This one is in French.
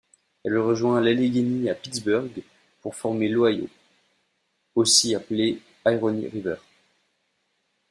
Elle rejoint l'Allegheny à Pittsburgh pour former l'Ohio, aussi appelée Irony river.